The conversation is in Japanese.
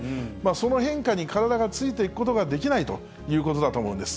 その変化に体がついていくことができないということだと思うんです。